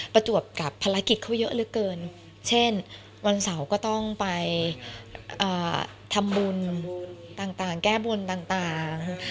ประจวบกับภารกิจเขาเยอะเหลือเกินเช่นวันเสาร์ก็ต้องไปทำบุญต่างแก้บนต่าง